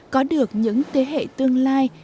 có được những thế hệ tương lai